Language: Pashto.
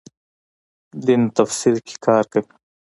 دین تفسیر کې کاروي.